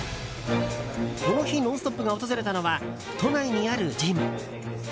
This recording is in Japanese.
この日「ノンストップ！」が訪れたのは都内にあるジム。